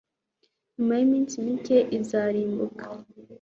Nyuma yiminsi mike izarimbuka